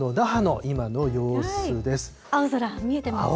青空、見えてますね。